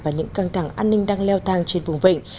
và những căng thẳng an ninh đang leo thang trên vùng vịnh